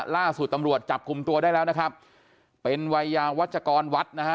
ล่าสุดตำรวจจับกลุ่มตัวได้แล้วนะครับเป็นวัยยาวัชกรวัดนะฮะ